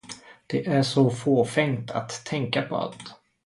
Det är så fåfängt att tänka på allt.